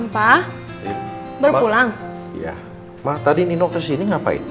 pak tadi nino ke sini ngapain